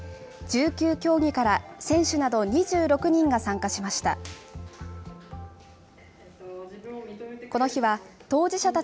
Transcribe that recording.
１９競技から選手など２６人が参加しました。